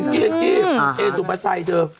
คุกกี้เอสุปาไซค์เธอ